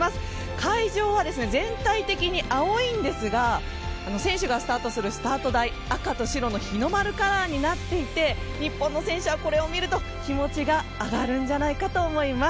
会場は全体的に青いんですが選手がスタートするスタート台赤と白の日の丸カラーになっていて日本の選手はこれを見ると気持ちが上がるんじゃないかと思います。